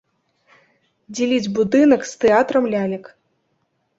Дзеліць будынак з тэатрам лялек.